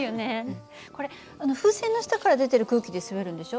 これ風船の下から出てる空気で滑るんでしょ。